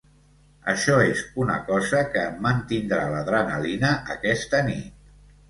Això és una cosa que em mantindrà l'adrenalina aquesta nit.